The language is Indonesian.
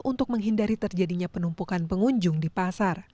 untuk menghindari terjadinya penumpukan pengunjung di pasar